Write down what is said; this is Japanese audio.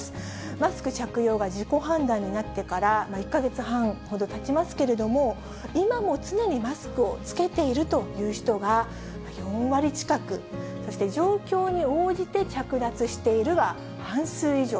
マスク着用が自己判断になってから、１か月半ほどたちますけれども、今も常にマスクを着けているという人が４割近く、そして状況に応じて着脱しているは半数以上。